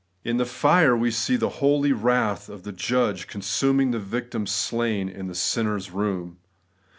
In the fire we see the holy wrath of the Judge consuming the victim slain in the sinner's room.